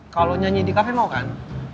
kalau lo nyanyi di cafe mau kan